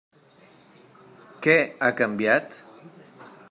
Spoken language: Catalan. Què ha canviat?